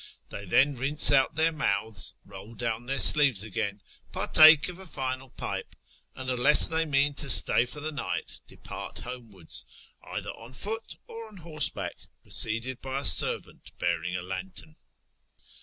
They then rinse out their mouths, roll down their sleeves again, partake of a final pipe, and, unless they mean to stay for the night, depart homewards, either on foot or on horseback, preceded by a servant bearing a lantern.